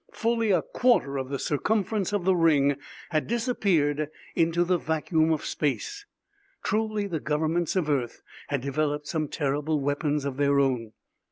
Fully a quarter of the circumference of the ring had disappeared into the vacuum of space. Truly, the governments of Earth had developed some terrible weapons of their own!